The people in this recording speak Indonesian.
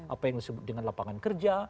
apa yang disebut dengan lapangan kerja